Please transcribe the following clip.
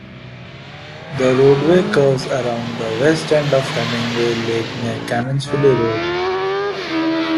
The roadway curves around the west end of Hemmingway Lake near Cannonsville Road.